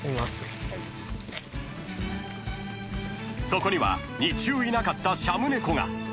［そこには日中いなかったシャム猫が］